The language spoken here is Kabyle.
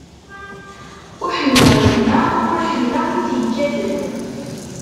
Ur ḥemmleɣ gma, ur ḥemmleɣ wi t-ikkaten.